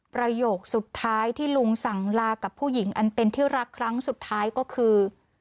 ประโยคสุดท้ายที่ลุงสั่งลากับผู้หญิงอันเป็นที่รักครั้งสุดท้ายก็คือ